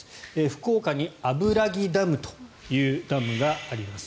福岡に油木ダムというダムがあります。